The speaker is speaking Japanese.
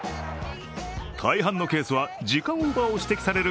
大半のケースは時間オーバーを指摘される